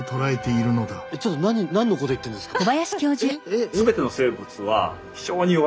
えっちょっと何のこと言ってんですか？